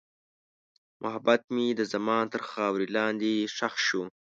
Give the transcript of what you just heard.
محبت مې د زمان تر خاورې لاندې ښخ شو.